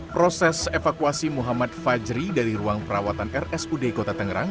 proses evakuasi muhammad fajri dari ruang perawatan rsud kota tangerang